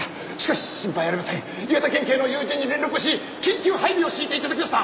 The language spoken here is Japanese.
岩手県警の友人に連絡をし緊急配備を敷いていただきました。